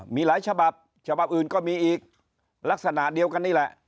มีหลายฉบับฉบับอื่นก็มีอีกลักษณะเดียวกันนี่แหละ